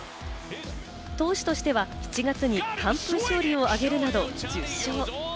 投手としては７月に完封勝利を挙げるなど１０勝。